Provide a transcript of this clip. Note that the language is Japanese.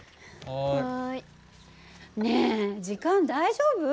ねえ時間大丈夫？